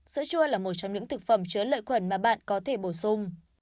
sữa chua là một trong những thực phẩm chứa lợi quẩn mà bạn có thể bổ sung